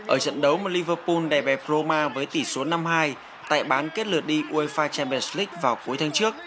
ở trận đấu mà liverpool đè bèp roma với tỷ số năm hai tại bán kết lượt đi uefa champions league vào cuối tháng trước